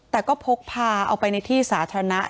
แต่ก็พกพาเอาไปในที่สาธารณะ